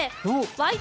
「ワイド！